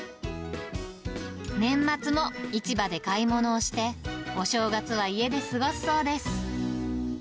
年末も市場で買い物をして、お正月は家で過ごすそうです。